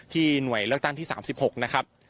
หน่วยเลือกตั้งที่๓๖นะครับ